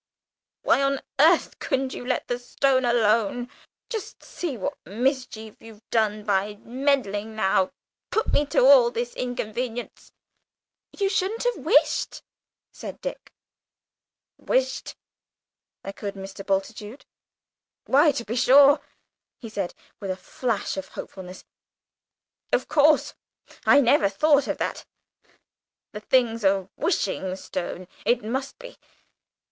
Why on earth couldn't you let the stone alone? Just see what mischief you've done by meddling now put me to all this inconvenience!" "You shouldn't have wished," said Dick. "Wished!" echoed Mr. Bultitude. "Why, to be sure," he said, with a gleam of returning hopefulness, "of course I never thought of that. The thing's a wishing stone; it must be!